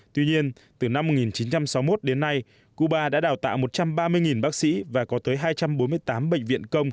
tuy nhiên từ năm một nghìn chín trăm sáu mươi một đến nay cuba đã đào tạo một trăm ba mươi bác sĩ và có tới hai trăm bốn mươi tám bệnh viện công